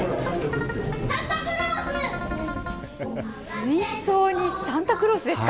水槽にサンタクロースですか。